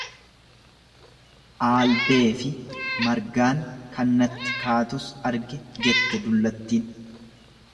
Aalbeefi margaan kan natti kaatus arge jette dullattin.